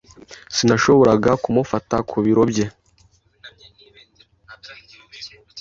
Sinashoboraga kumufata ku biro bye.